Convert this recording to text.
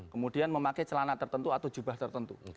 kemudian memakai celana tertentu atau jubah tertentu